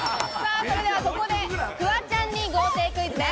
それではここでフワちゃんに豪邸クイズです。